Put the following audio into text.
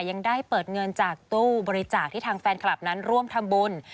ยังได้เปิดเงินจากตู้บริจาคที่ทางแฟนคลับนั้นร่วมทำบุญ